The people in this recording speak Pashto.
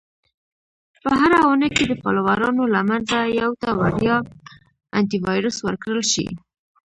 - په هره اونۍ کې د فالوورانو له منځه یو ته وړیا Antivirus ورکړل شي.